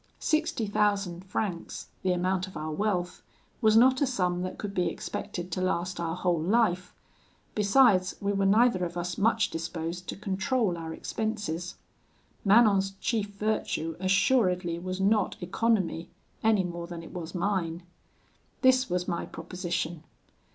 Sixty thousand francs (the amount of our wealth) was not a sum that could be expected to last our whole life; besides, we were neither of us much disposed to control our expenses. Manon's chief virtue assuredly was not economy, any more than it was mine. This was my proposition.